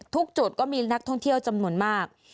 ทุกจุดก็มีนักท่องเที่ยวจำนวนมาก